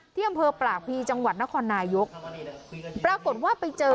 ที่อำเภอปากพีจังหวัดนครนายกปรากฏว่าไปเจอ